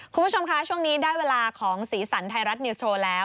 คุณผู้ชมคะช่วงนี้ได้เวลาของสีสันไทยรัฐนิวส์โชว์แล้ว